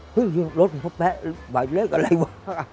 ฮึรถเขาแป๊ะบ่ายเลขอะไรวะ